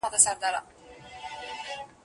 چي ته ډنګر یې که خېټور یې